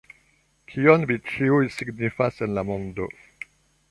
Kion vi ĉiuj signifas en la mondo?